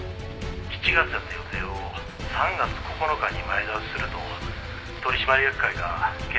「７月やった予定を３月９日に前倒しすると取締役会が決定を下しました」